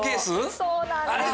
そうなんです。